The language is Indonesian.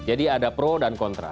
jadi ada pro dan kontra